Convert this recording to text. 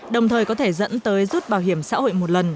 đồng thời có thể dẫn tới dịch vụ